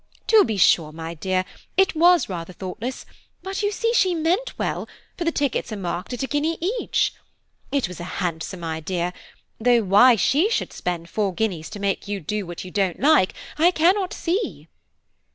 "To be sure, my dear, it was rather thoughtless; but you see, she meant well, for the tickets are marked at a guinea each. It was a handsome idea; though why she should spend four guineas to make you do what you don't like, I cannot see."